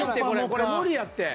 これ無理やって。